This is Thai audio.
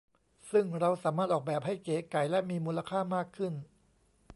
ซึ่งเราสามารถออกแบบให้เก๋ไก๋และมีมูลค่ามากขึ้น